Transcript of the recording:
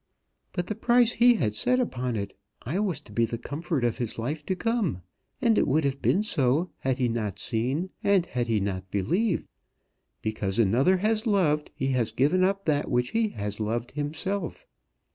"But the price he had set upon it! I was to be the comfort of his life to come. And it would have been so, had he not seen and had he not believed. Because another has loved, he has given up that which he has loved himself."